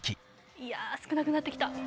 いや少なくなってきた。